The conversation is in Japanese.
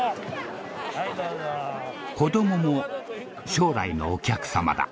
子どもも将来のお客様だ。